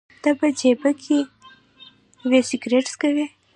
ته په جبهه کي وې، سګرېټ څکوې؟